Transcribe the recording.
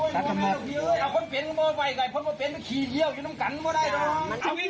ถ้าเป็นหรือไม่เอาคนมาประกาศจังหวัด